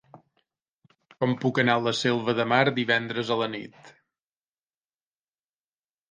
Com puc anar a la Selva de Mar divendres a la nit?